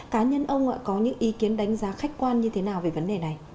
cá nhân ông ạ có những ý kiến đánh giá khách quan như thế nào về vấn đề này